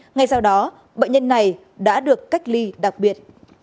ngay sau đó bệnh nhân này đã được cách ly đặc biệt